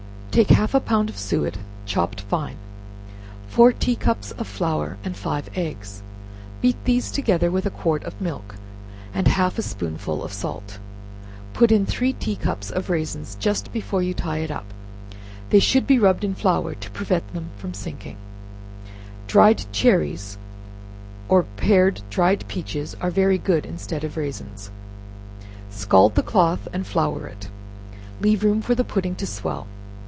Take half a pound of suet chopped fine, four tea cups of flour, and five eggs; beat these together with a quart of milk, and half a spoonful of salt; put in three tea cups of raisins just before you tie it up; they should be rubbed in flour to prevent them from sinking; dried cherries, or pared dried peaches, are very good instead of raisins; scald the cloth and flour it; leave room for the pudding to swell.